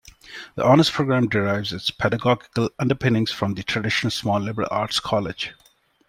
The honors program derives its pedagogical underpinnings from the traditional small liberal arts college.